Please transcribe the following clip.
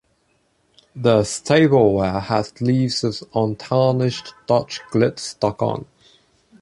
Their staple-ware has leaves of untarnished dutch-gilt stuck on.